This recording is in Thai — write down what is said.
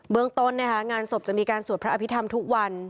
เมืองต้นงานศพจะมีการสวดพระอภิษฐรรมทุกวัน